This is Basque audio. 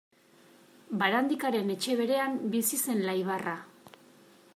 Barandikaren etxe berean bizi zen Laibarra.